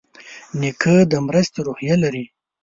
نیکه د مرستې روحیه لري.